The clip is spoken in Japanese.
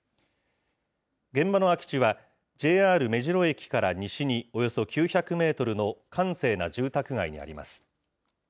現場の空き地は、ＪＲ目白駅から西におよそ９００メートルの閑静な住宅街にあります。